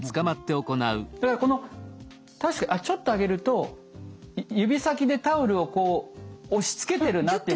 だからこの確かにちょっと上げると指先でタオルをこう押しつけてるなって感覚がありますね。